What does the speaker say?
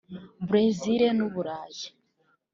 Brezil n’uBurayi